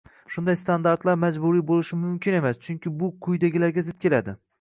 Bunday standartlar majburiy bo‘lishi mumkin emas, chunki bu quyidagilarga zid keladi: